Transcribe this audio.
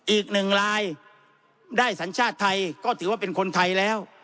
อีกหนึ่งรายได้สัญชาติไทยก็ถือว่าเป็นคนไทยแล้ว